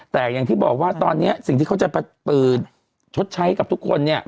แต่อย่างที่บอกว่าตอนนี้สิ่งที่เขาจะเปิดชดใช้กับทุกคนเนี่ย